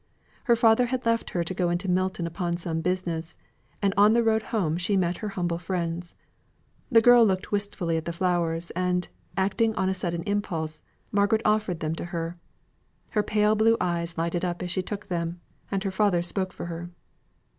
Her father had left her to go into Milton upon some business; and on the road home she met her humble friends. The girl looked wistfully at the flowers, and, acting on a sudden impulse, Margaret offered them to her. Her pale blue eyes lightened up as she took them, and her father spoke for her.